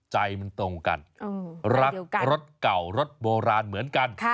ใจมันตรงกันรักรถเก่ารถโบราณเหมือนกัน